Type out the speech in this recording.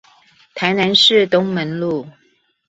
臺南市東門路